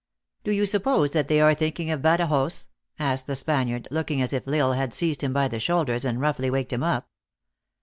" Do you suppose that they are thinking of Bada joz ?" asked the Spaniard, looking as if L Isle had seized him by the shoulders, and roughly waked him up.